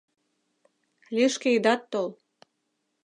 Лишке идат тол!